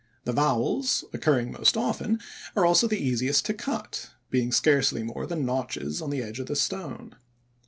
The vowels occurring most often are also the easiest to cut, being scarcely more than notches on the edge of the stone.